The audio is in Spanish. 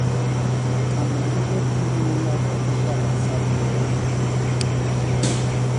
A menudo tienen una roseta basal de hojas.